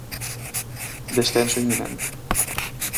Descenso inminente.